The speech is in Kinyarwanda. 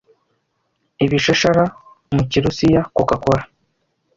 ibishashara mu kirusiya Coca Cola